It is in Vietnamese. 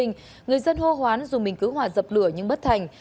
người dân hô hoán dù mình cứu hỏa dập lửa nhưng bất thành